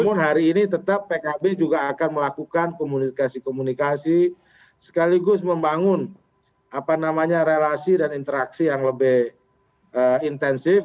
namun hari ini tetap pkb juga akan melakukan komunikasi komunikasi sekaligus membangun relasi dan interaksi yang lebih intensif